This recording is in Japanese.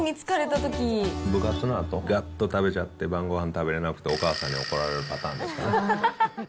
部活のあと、がっと食べちゃって晩ごはん食べられなくて、お母さんに怒られるパターンですかね。